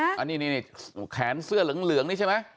อันนี้แขนเสื้อเหลืองนี่ใช่ไหม